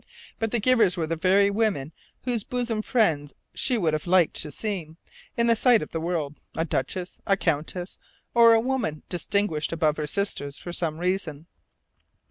But the givers were the very women whose bosom friend she would have liked to seem, in the sight of the world: a duchess, a countess, or a woman distinguished above her sisters for some reason.